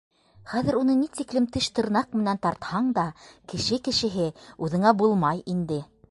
Хәҙер уны ни тиклем теш-тырнаҡ менән тартһаң да, кеше кешеһе үҙеңә булмай инде.